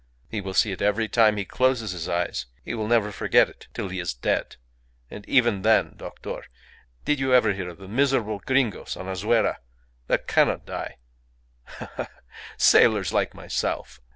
He will see it every time he closes his eyes. He will never forget it till he is dead and even then Doctor, did you ever hear of the miserable gringos on Azuera, that cannot die? Ha! ha! Sailors like myself.